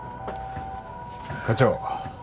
課長。